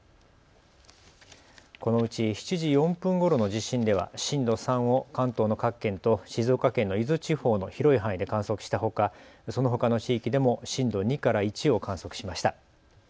このうち７時４分ごろの地震では震度３を関東の各県と静岡県の伊豆地方の広い範囲で観測したほか、そのほかの地域でも震度２から１を観測しました。